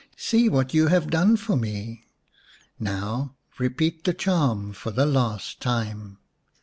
" See what you have done for me ! Now repeat the charm for the last time."